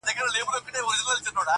د دې وطن د شمله ورو قدر څه پیژني٫